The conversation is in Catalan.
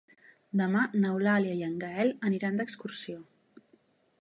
Demà n'Eulàlia i en Gaël aniran d'excursió.